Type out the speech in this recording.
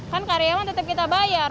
kan karyawan tetap kita bayar